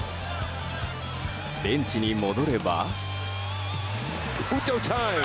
ベンチに戻れば。